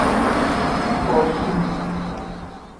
Kposhu.